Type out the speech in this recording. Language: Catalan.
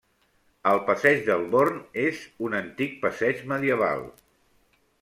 El passeig del Born és un antic passeig medieval.